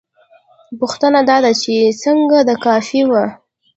پوښتنه دا ده چې څنګه دا کافي وه؟